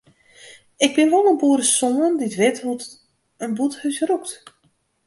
Ik bin wol in boeresoan dy't wit hoe't in bûthús rûkt.